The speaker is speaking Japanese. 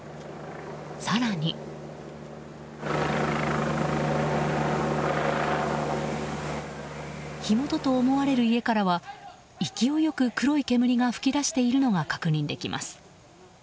更に、火元と思われる家からは勢いよく黒い煙が噴き出しているのが確認できます。